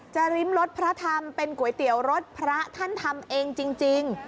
ริมรสพระธรรมเป็นก๋วยเตี๋ยวรสพระท่านทำเองจริง